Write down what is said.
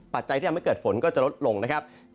ปัจจัยที่ทำให้เกิดฝนก็จะลดลงนะครับ